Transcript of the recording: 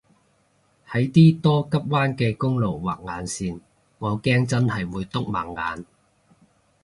喺啲多急彎嘅公路畫眼線我驚真係會篤盲眼